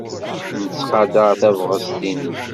Nettqadar tabɣest-nnek.